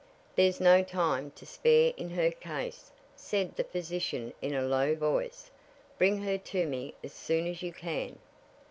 "There's no time to spare in her case," said the physician in a low voice. "Bring her to me as soon as you can."